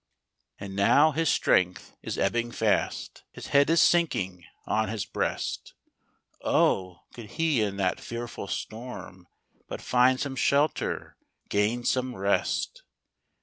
22P HECTOR , THE DOG. And now his strength is ebbing fast ; His head is sinking on his breast. Oh! could he in that fearful storm But find some shelter, gain some rest!